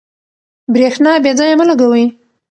برېښنا بې ځایه مه لګوئ.